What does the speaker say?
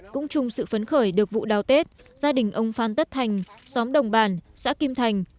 cũng chung sự phấn khởi được vụ đào tết gia đình ông phan tất thành xóm đồng bản xã kim thành